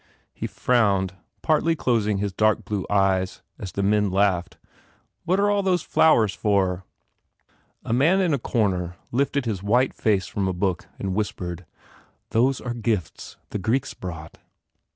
He frowned, partly closing his dark blue eyes, as the men laughed. "What are all those flowers for?" A man in a corner lifted his white face from a book and whispered, "Those are gifts the Greeks brought."